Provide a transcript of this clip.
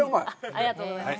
ありがとうございます。